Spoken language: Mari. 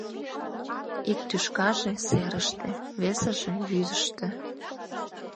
Ик тӱшкаже — серыште, весыже — вӱдыштӧ.